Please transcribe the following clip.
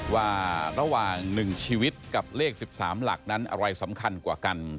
ว่าระหว่าง๑ชีวิตกับเลข๑๓หลักนั้นอะไรสำคัญกว่ากัน